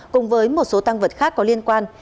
cùng với một số tăng vật khác có liên quan